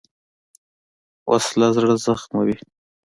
وسله زړه زخموي